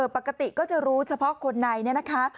ปกติก็จะรู้เฉพาะคนในนะคะ